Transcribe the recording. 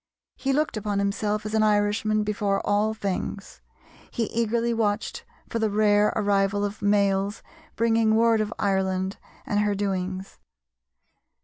He looked upon himself as an Irishman before all things. He eagerly watched for the rare arrival of mails bringing word of Ireland and her doings.